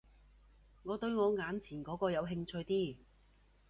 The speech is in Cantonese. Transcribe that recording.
我對我眼前嗰個有興趣啲